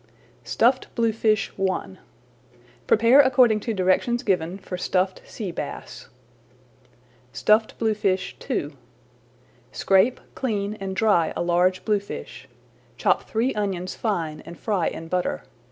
STUFFED BLUEFISH I Prepare according to directions given for Stuffed Sea Bass. STUFFED BLUEFISH II Scrape, clean, and dry a large bluefish. [Page 75] Chop three onions fine and fry in butter.